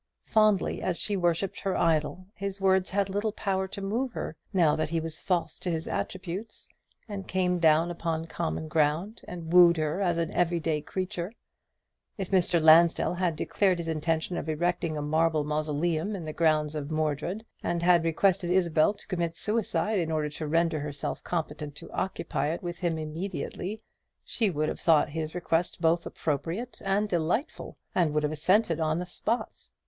Fondly as she worshipped her idol, his words had little power to move her, now that he was false to his attributes, and came down upon common ground and wooed her as an every day creature. If Mr. Lansdell had declared his intention of erecting a marble mausoleum in the grounds of Mordred, and had requested Isabel to commit suicide in order to render herself competent to occupy it with him immediately, she would have thought his request both appropriate and delightful, and would have assented on the spot.